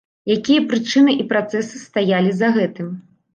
Якія прычыны і працэсы стаялі за гэтым?